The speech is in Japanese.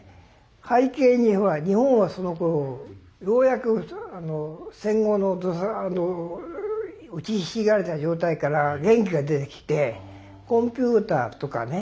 背景には日本はそのころようやく戦後の打ちひしがれた状態から元気が出てきてコンピューターとかね